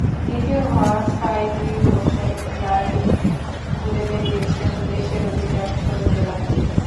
দ্বিতীয় হওয়া সাঈদী হোসাঈন গাড়ি নিয়ে ঘুরে বেড়িয়েছেন দেশের অধিকাংশ জেলাতেই।